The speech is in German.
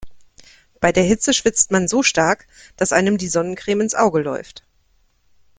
Bei der Hitze schwitzt man so stark, dass einem die Sonnencreme ins Auge läuft.